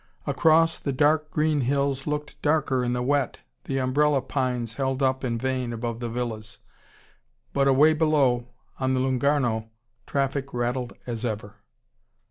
Across, the dark green hills looked darker in the wet, the umbrella pines held up in vain above the villas. But away below, on the Lungarno, traffic rattled as ever.